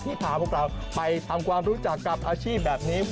พาพวกเราไปทำความรู้จักกับอาชีพแบบนี้